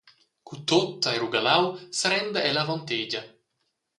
Cu tut ei rugalau serenda ella avon tegia.